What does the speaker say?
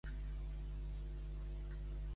Vull iniciar l'app Apparella't.